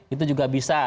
itu juga bisa